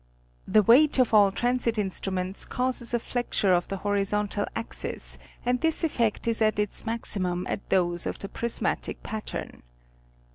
The weight of all transit instruments causes a flexure of the horizontal axis and this effect is at its maximum in those of the prismatic pattern.